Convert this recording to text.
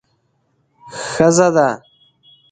ښځه ده.